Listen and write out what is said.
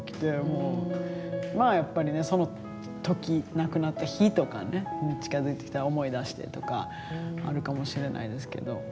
まあやっぱりねその時亡くなった日とか近づいてきたら思い出してとかあるかもしれないですけど。